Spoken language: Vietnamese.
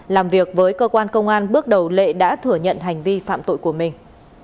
làm việc với cơ quan công an bước đầu lệ đã thừa nhận hành vi phạm tội của mình